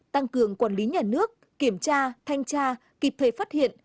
tăng cường quản lý nhà nước kiểm tra thanh tra kịp thời phát hiện